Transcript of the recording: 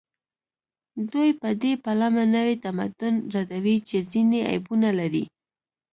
دوی په دې پلمه نوي تمدن ردوي چې ځینې عیبونه لري